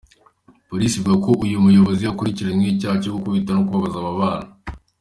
Police ivuga ko uyu muyobozi akurikiranyweho icyaha cyo gukubita no kubabaza aba bana.